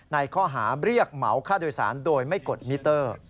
ในข้อหาเรียกเหมาค่าโดยสารโดยไม่กดมิเตอร์